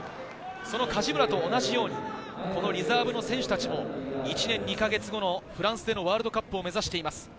梶村と同じように、リザーブの選手たちも１年２か月後のフランスでのワールドカップを目指しています。